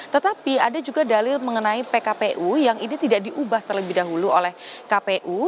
tetapi ada juga dalil mengenai pkpu yang ini tidak diubah terlebih dahulu oleh kpu